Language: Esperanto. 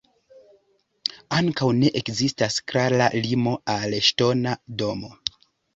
Ankaŭ ne ekzistas klara limo al ŝtona domo.